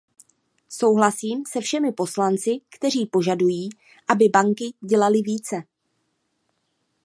Souhlasím se všemi poslanci, kteří požadují, aby banky dělaly více.